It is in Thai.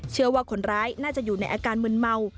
เชื่อว่าคนร้ายน่าจะอยู่ในอาการมืนเมา